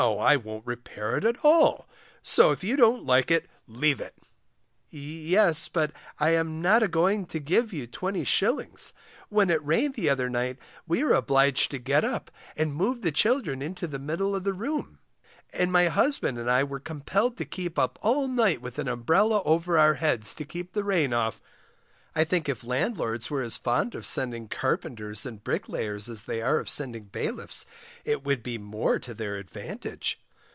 I won't repair it at all, so if you don't like it leave it. Yes, but I am not agoing to give you 20s. When it rained the other night we were obliged to get up, and move the children into the middle of the room, and my husband and I were compelled to keep up all night with an umbrella over our heads to keep the rain off. I think if landlords were as fond of sending carpenters and bricklayers as they are of sending bailiffs, it would be more to their advantage.